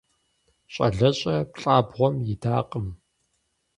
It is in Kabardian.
Щӏалэщӏэ плӏабгъуэм идакъым.